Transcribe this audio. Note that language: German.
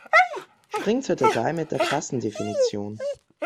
Spring zur Datei mit der Klassendefinition!